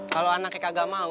kalau anaknya kagak mau